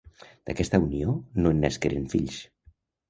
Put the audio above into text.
D'aquesta unió no en nasqueren fills.